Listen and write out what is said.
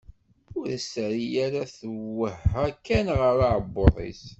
Ur as-terri ara, twehha kan ɣer uɛebbuḍ-is.